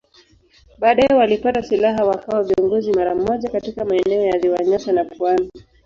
Baadaye walipata silaha wakawa viongozi mara moja katika maeneo ya Ziwa Nyasa na pwani.